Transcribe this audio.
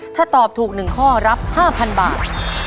ถ้าตอบถูก๑ข้อรับ๕๐๐บาท